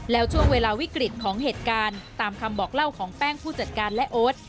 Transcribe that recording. แล้วช่วงเวลาวิกฤตของเหตุการณ์ตามคำบอกเล่าของแป้งผู้จัดการและโอ๊ต